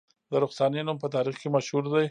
د رخسانې نوم په تاریخ کې مشهور دی